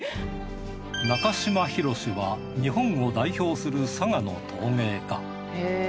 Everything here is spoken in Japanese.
中島宏は日本を代表する佐賀の陶芸家。